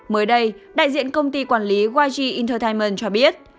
mới đây đại diện công ty quản lý yg entertainment cho biết